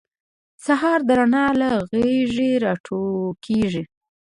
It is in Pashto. سهار د رڼا له غیږې راټوکېږي.